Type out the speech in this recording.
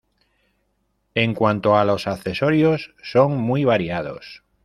En cuanto a los accesorios son muy variados.